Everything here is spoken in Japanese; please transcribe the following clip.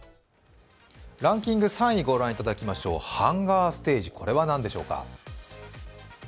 ランキング３位御覧いただきましょう、ハンガーステージこれは何でしょうか？